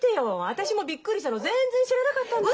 私もびっくりしたの全然知らなかったんだから。